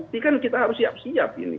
jadi kita harus siap siap